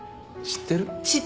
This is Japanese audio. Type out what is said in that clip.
知ってる。